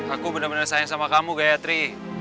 aku bener bener sayang sama kamu gayatri